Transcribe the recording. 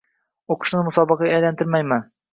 Oʻqishni musobaqaga aylantirmayman.